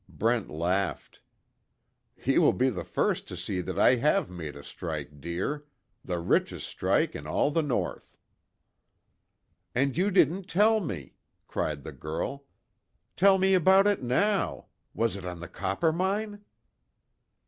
Brent laughed: "He will be the first to see that I have made a strike, dear the richest strike in all the North." "And you didn't tell me!" cried the girl, "Tell me about it, now! Was it on the Coppermine?"